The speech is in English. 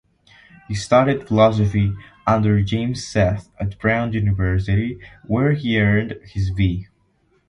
He studied philosophy under James Seth at Brown University where he earned his B.